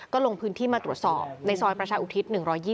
ก็ลงพื้นที่มาตรวจสอบในซอยประชาอุทิศ๑๒๐